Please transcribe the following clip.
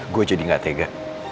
gue jadi gak tega